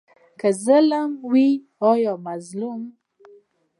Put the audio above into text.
که ظالم وي یا مظلوم.